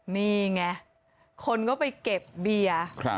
นี่ไงคนก็ไปเก็บเบียร์